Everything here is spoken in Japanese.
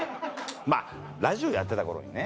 まぁラジオやってた頃にね